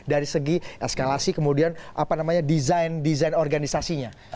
dari segi eskalasi kemudian apa namanya desain desain organisasinya